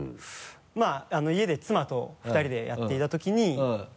まぁ家で妻と２人でやっていたときに。